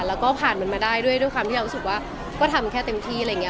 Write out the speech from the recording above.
แล้วก็ผ่านมันมาได้ด้วยความที่เรารู้สึกว่าก็ทำแค่เต็มที่อะไรอย่างนี้